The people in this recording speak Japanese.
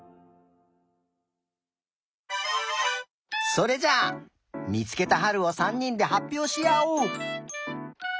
それじゃあみつけたはるを３にんではっぴょうしあおう。